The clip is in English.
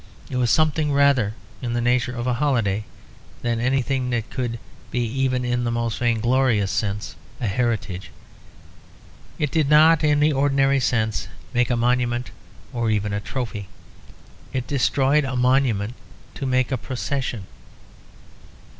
It was something rather in the nature of a holiday than anything that could be even in the most vainglorious sense a heritage. It did not in the ordinary sense make a monument, or even a trophy. It destroyed a monument to make a procession.